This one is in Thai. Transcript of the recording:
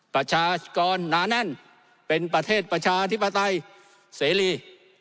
ประชากรหนาแน่นเป็นประเทศประชาธิปไตยเสรี